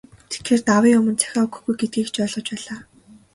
Тэгэхээр, давын өмнө захиа өгөхгүй гэдгийг ч ойлгож байлаа.